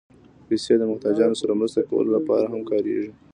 پېسې د محتاجانو سره مرسته کولو لپاره هم کارېږي.